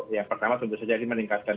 yang pertama tentu saja ini meningkatkan